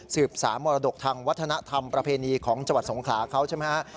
สามมรดกทางวัฒนธรรมประเพณีของจังหวัดสงขลาเขาใช่ไหมฮะ